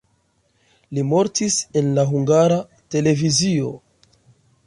Li mortis en la Hungara Televizio.